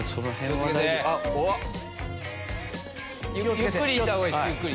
ゆっくり行ったほうがいいです。